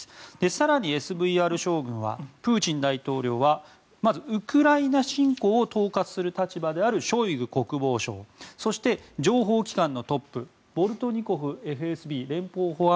更にＳＶＲ将軍はプーチン大統領はまずウクライナ侵攻を統括する立場であるショイグ国防相そして情報機関のトップボルトニコフＦＳＢ長官